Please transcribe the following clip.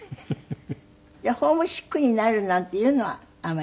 じゃあホームシックになるなんていうのはあまりない？